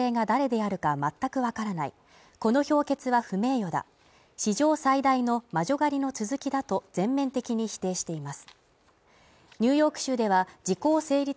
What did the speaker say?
トランプ氏は私はこの女性が誰であるか全くわからないこの評決は不名誉だ史上最大の魔女狩りの続きだと全面的に否定しています。